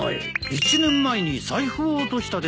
１年前に財布を落としたでしょう？